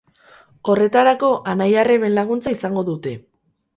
Horretarako, anai-arreben laguntza izango dute.